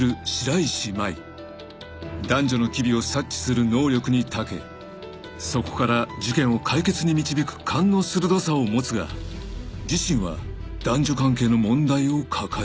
［男女の機微を察知する能力にたけそこから事件を解決に導く勘の鋭さを持つが自身は男女関係の問題を抱えている］